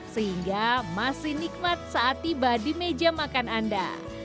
sehingga masih nikmat saat tiba di meja makan anda